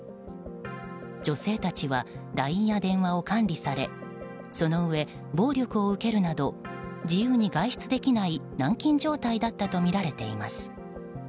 女性たちはＬＩＮＥや電話を管理されそのうえ、暴力を受けるなど自由に外出できない軟禁状態だったとみられています。